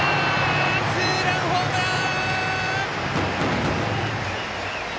ツーランホームラン！